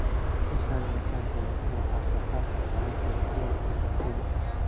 Each cardiac cycle appears as a peak, as seen in the figure.